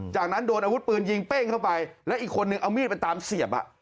จากนั้นโดนอาวุธปืนยิงเป้งเข้าไปแล้วอีกคนนึงเอามีดไปตามเสียบ